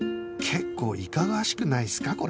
結構いかがわしくないっすか？